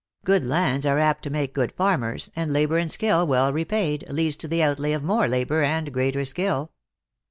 Good lands are apt to make good farmers, and labor and skill well repaid, leads to the outlay of more labor and greater skill."